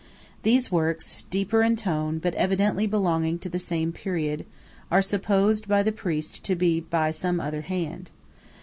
These works, deeper in tone, but evidently belonging to the same period, are supposed by the priest to be by some other hand.